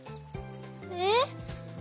えっ？